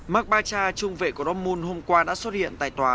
marc barca trung vệ của dortmund hôm qua đã xuất hiện tại tòa